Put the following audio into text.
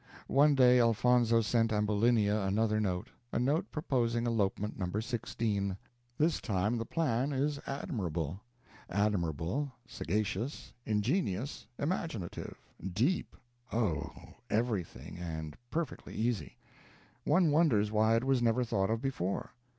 One day Elfonzo sent Ambulinia another note a note proposing elopement No. 16. This time the plan is admirable; admirable, sagacious, ingenious, imaginative, deep oh, everything, and perfectly easy. One wonders why it was never thought of before.